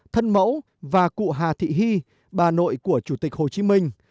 thân mẫu và cụ hà thị hy bà nội của chủ tịch hồ chí minh